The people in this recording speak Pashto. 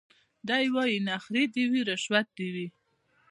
دی وايي نخرې دي وي رشوت دي وي